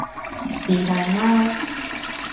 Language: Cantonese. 是但啦